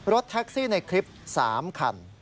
รถแท็กซี่ในคลิป๓คัน